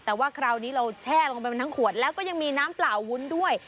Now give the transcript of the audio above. แต่ว่าคราวนี้เราแช่ลงไปมันทั้งขวดแล้วก็ยังมีน้ำเปล่าวุ้นด้วย